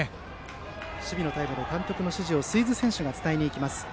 守備のタイムで監督の指示を水津選手が伝えに行きました。